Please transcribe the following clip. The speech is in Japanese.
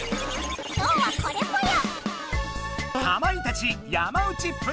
今日はこれぽよ！